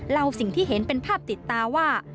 สิ่งที่เห็นเป็นภาพติดตาว่า